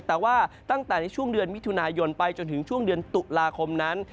แต่ว่าตั้งแต่ในช่วงเดือนมิถุนายนไปจนถึงช่วงเดือนตุลาคมนั้น